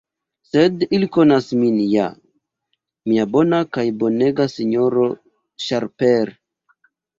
Sed ili konas min ja, mia bona kaj bonega S-ro Sharper!